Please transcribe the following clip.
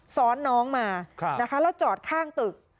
ซ้อนน้องมาจอดข้างตึก